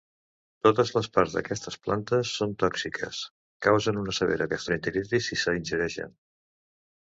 Totes les parts d'aquestes plantes són tòxiques; causen una severa gastroenteritis si s'ingereixen.